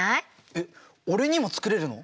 えっ俺にも作れるの？